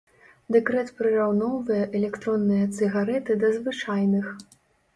Дэкрэт прыраўноўвае электронныя цыгарэты да звычайных.